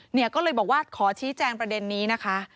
เนี่ยก็เลยบอกว่าขอชี้แจงประเด็นนี้นะคะ